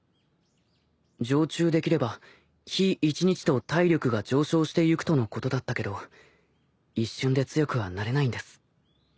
常中できれば日一日と体力が上昇してゆくとのことだったけど一瞬で強くはなれないんです。